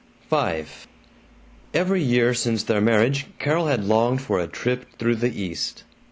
V Every year since their marriage Carol had longed for a trip through the East.